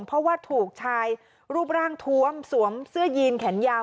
เพราะว่าถูกชายรูปร่างทวมสวมเสื้อยีนแขนยาว